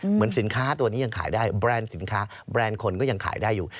เหมือนสินค้าตัวนี้ยังขายได้แบรนด์สินค้าแบรนด์คนก็ยังขายได้อยู่